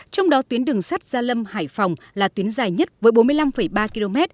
trong đó tuyến đường sắt gia lâm hải phòng là tuyến dài nhất với bốn mươi năm ba km